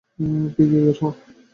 Piggy, বের হও।